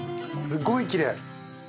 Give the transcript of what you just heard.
すごいきれい！